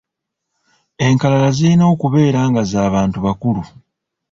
Enkalala zirina okubeera nga za bantu bakulu.